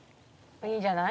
「いいんじゃない？」